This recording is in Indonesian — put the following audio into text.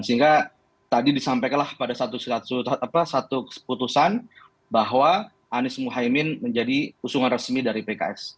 sehingga tadi disampaikanlah pada satu keputusan bahwa anies muhaymin menjadi usungan resmi dari pks